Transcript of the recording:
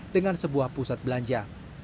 dengan sebuah pusat belanja